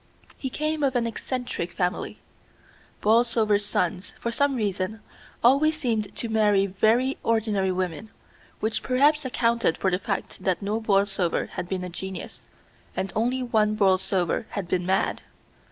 He came of an eccentric family. Borlsovers' sons, for some reason, always seemed to marry very ordinary women, which perhaps accounted for the fact that no Borlsover had been a genius, and only one Borlsover had been mad.